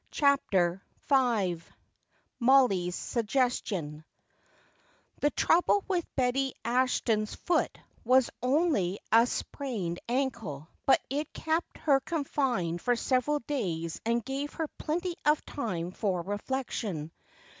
CHAPTER V Mollie's Suggestion The trouble with Betty Ashton's foot was only a sprained ankle but it kept her confined for several days and gave her plenty of time for reflection.